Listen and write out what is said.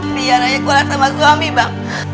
biar aja gue lah sama suami bang